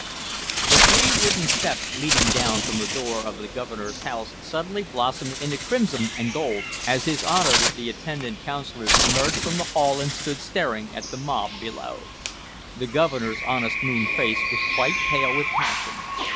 The three wooden steps leading down from the door of the Governor's house suddenly blossomed into crimson and gold, as his Honor with the attendant Councilors emerged from the hall and stood staring at the mob below. The Governor's honest moon face was quite pale with passion.